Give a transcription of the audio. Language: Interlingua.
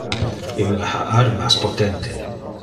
Ille ha armas potente.